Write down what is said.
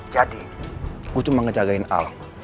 jadi gue cuma ngejagain al